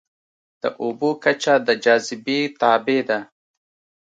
د اوبو کچه د جاذبې تابع ده.